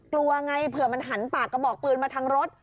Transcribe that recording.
กลัวไงเผื่อมันหันปากกระบอกปืนมาทางรถ